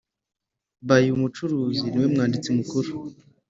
By ubucuruzi niwe mwanditsi mukuru